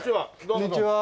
こんにちは。